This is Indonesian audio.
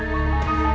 aku mau ke kamar